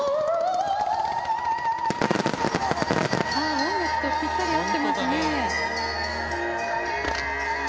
音楽とぴったり合ってますね。